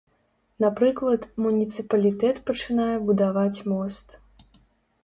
Напрыклад, муніцыпалітэт пачынае будаваць мост.